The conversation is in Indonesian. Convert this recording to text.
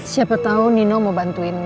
siapa tahu nino mau bantuin